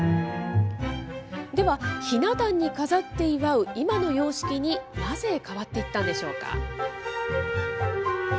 では、ひな壇に飾って祝う今の様式に、なぜ変わっていったんでしょうか。